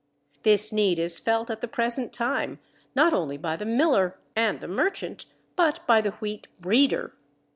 This need is felt at the present time not only by the miller and the merchant, but by the wheat breeder.